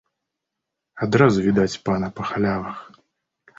Адразу відаць пана па халявах.